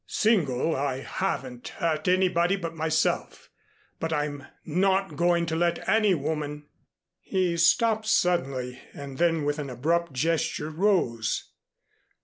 Single, I haven't hurt anybody but myself, but I'm not going to let any woman " He stopped suddenly. And then with an abrupt gesture rose.